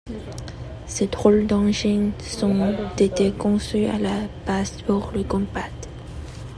Ces drôles d'engins ont été conçus à la base pour le combat.